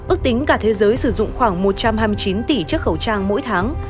ước tính cả thế giới sử dụng khoảng một trăm hai mươi chín tỷ chiếc khẩu trang mỗi tháng